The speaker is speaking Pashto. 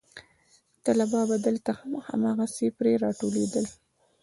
طلبا به دلته هم هماغسې پرې راټولېدل.